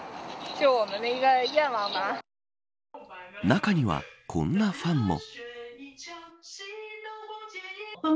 中にはこんなファンも。